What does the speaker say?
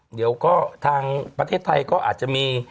เดี๋ยวก็ทางประเทศไทยก็อาจจะมี